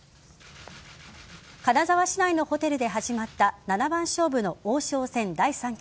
金沢市内のホテルで始まった七番勝負の王将戦第３局。